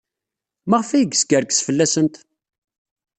Maɣef ay yeskerkes fell-asent?